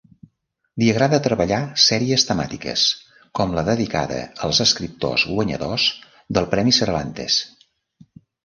Li agrada treballar sèries temàtiques, com la dedicada als escriptors guanyadors del Premi Cervantes.